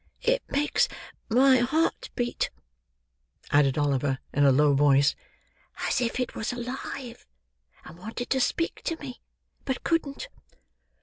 It makes my heart beat," added Oliver in a low voice, "as if it was alive, and wanted to speak to me, but couldn't."